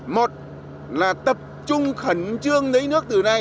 một là tập trung khẩn trương lấy nước từ nay